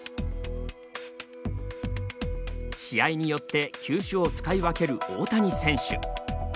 試合によって球種を使い分ける大谷選手。